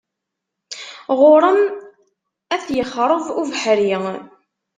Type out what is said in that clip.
Ɣur-m ad t-yexreb ubeḥri.